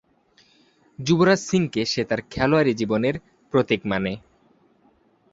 যুবরাজ সিংকে সে তার খেলোয়াড়ী জীবনের প্রতীক মানে।